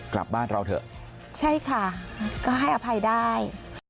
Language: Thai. กลับบ้านเราเถอะใช่ค่ะก็ให้อภัยได้